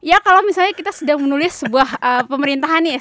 ya kalau misalnya kita sedang menulis sebuah pemerintahan nih